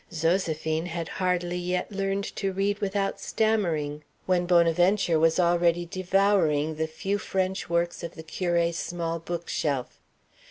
Zoséphine had hardly yet learned to read without stammering, when Bonaventure was already devouring the few French works of the curé's small bookshelf.